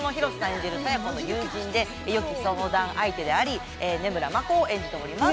演じる佐弥子の友人でよき相談相手であり根村眞子を演じております